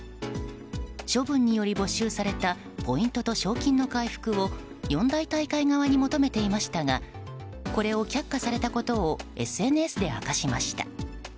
処分により没収されたポイントと賞金の回復を四大大会側に求めていましたがこれを却下されたことをＳＮＳで明かしました。